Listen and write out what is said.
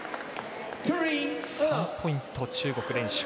３ポイント、中国連取。